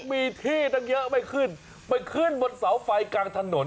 มีที่ตั้งเยอะไม่ขึ้นไปขึ้นบนเสาไฟกลางถนน